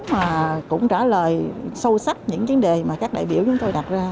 mà cũng trả lời sâu sắc những vấn đề mà các đại biểu chúng tôi đặt ra